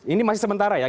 ini masih sementara ya